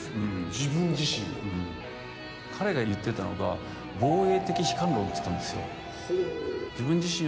自分自身を彼が言ってたのが防衛的悲観論って言ったんですよ